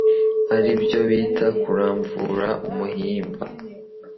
aribyo bita kuramvura umuhimba,